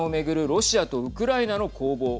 ロシアとウクライナの攻防。